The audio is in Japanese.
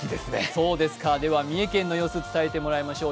三重県の様子を伝えてもらいましょう。